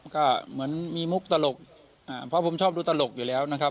ก็เหมือนมีมุกตลกเพราะผมชอบดูตลกอยู่แล้วนะครับ